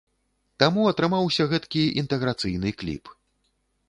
Таму атрымаўся гэткі інтэграцыйны кліп.